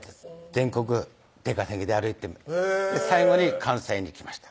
全国出稼ぎで歩いて最後に関西に来ました